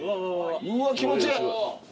うわ気持ちいい。